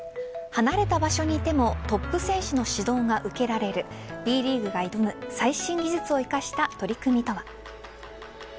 離れた場所にいてもトップ選手の指導が受けられるＢリーグが挑む最新技術を生かした取り組みとは。